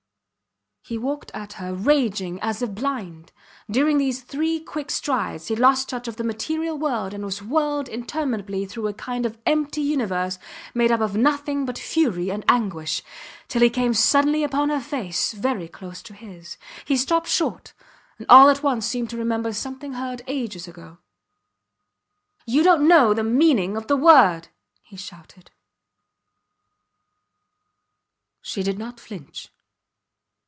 ... He walked at her, raging, as if blind; during these three quick strides he lost touch of the material world and was whirled interminably through a kind of empty universe made up of nothing but fury and anguish, till he came suddenly upon her face very close to his. He stopped short, and all at once seemed to remember something heard ages ago. You dont know the meaning of the word, he shouted. She did not flinch.